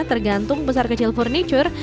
tergantung besar kecil furniture